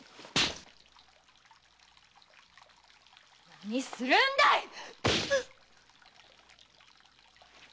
何するんだいっ‼ウッ！